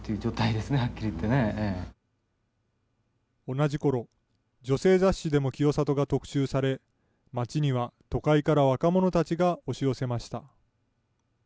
同じころ、女性雑誌でも清里が特集され、街には都会から若者たちが押し寄せました。